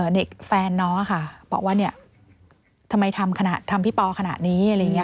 เน็ตแฟนน้อค่ะบอกว่าเนี่ยทำไมทำพี่ปอขนาดนี้อะไรอย่างเงี้ย